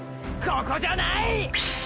ここじゃない！！